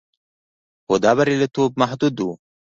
خو دا بریالیتوب محدود و